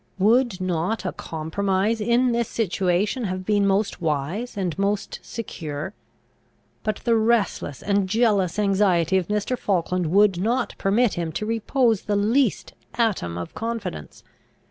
Would not a compromise in this situation have been most wise and most secure? But the restless and jealous anxiety of Mr. Falkland would not permit him to repose the least atom of confidence.